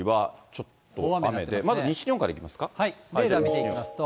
ちょっと雨で、まず西のほうからレーダー見ていきますと。